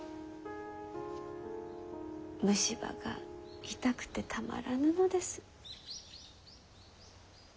虫歯が痛くてたまらぬのです。